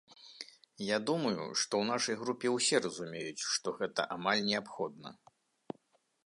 Я думаю, што ў нашай групе ўсе разумеюць, што гэта амаль неабходна.